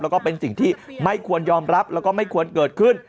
แล้วก็เป็นสิ่งที่ไม่ควรยอมรับแล้วก็ไม่ควรเกิดขึ้น